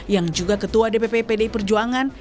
yang juga ketua dpp pdi perjuangan